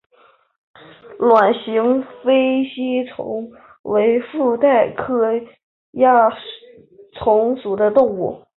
卵形菲策吸虫为腹袋科菲策属的动物。